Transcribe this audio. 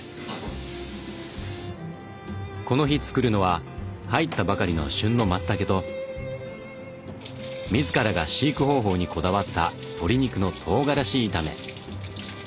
この日作るのは入ったばかりの旬のまつたけと自らが飼育方法にこだわった鶏肉のとうがらし炒め。